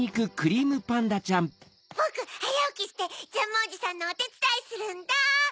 ぼくはやおきしてジャムおじさんのおてつだいするんだ！